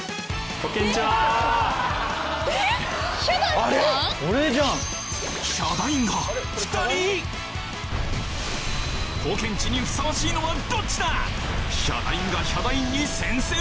ポケんちにふさわしいのはどっちだ！？